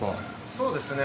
そうですね